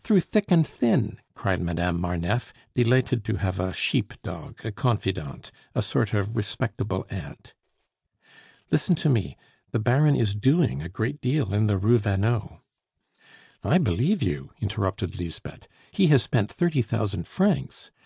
"Through thick and thin!" cried Madame Marneffe, delighted to have a sheep dog, a confidante, a sort of respectable aunt. "Listen to me; the Baron is doing a great deal in the Rue Vanneau " "I believe you!" interrupted Lisbeth. "He has spent thirty thousand francs!